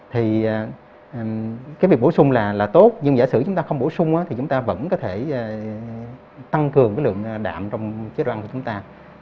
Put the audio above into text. thì cái việc bổ sung là tốt nhưng giả sử chúng ta không bổ sung thì chúng ta vẫn có thể tăng cường lượng đạm trong chế răng của chúng ta